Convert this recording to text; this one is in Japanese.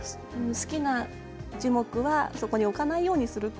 好きな樹木はそこに置かないようにする。